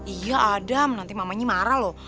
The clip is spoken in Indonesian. iya adam nanti mamanya marah loh